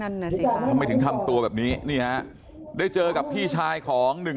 ทำไมถึงทำตัวแบบนี้นี่ครับได้เจอกับพี่ชายของหนึ่ง